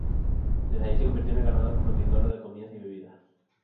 Desde ahí se convirtió en ganador como escritor de comidas y bebidas.